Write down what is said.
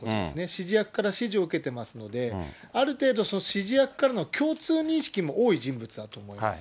指示役から指示を受けてますので、ある程度、その指示役からの共通認識も多い人物だと思います。